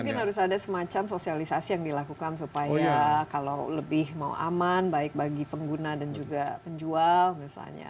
tapi mungkin harus ada semacam sosialisasi yang dilakukan supaya kalau lebih mau aman baik bagi pengguna dan juga penjual misalnya